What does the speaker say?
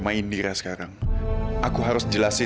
tapi jangan terlalu pedes ya